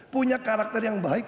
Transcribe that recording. punya karakter yang baik